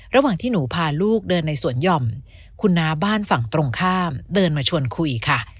ระหว่างที่หนูพาลูกเดินในสวนหย่อมคุณน้าบ้านฝั่งตรงข้ามเดินมาชวนคุยค่ะ